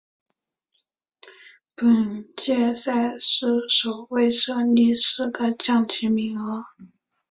本届赛事首次设立四个降级名额。